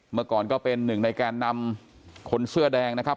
เมื่อก่อนก็เป็นหนึ่งในแกนนำคนเสื้อแดงนะครับ